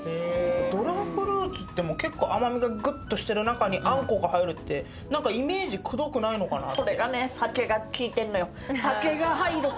ドライフルーツって結構甘みがグッとしてる中にあんこが入るってイメージくどくないのかなって。